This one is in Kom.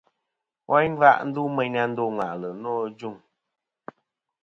Woyn ngva ndu meyn a ndo ŋwà'lɨ nô ajuŋ.